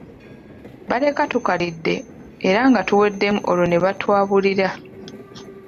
Baleka tukalidde era nga tuwedemu olwo ne batwabulira.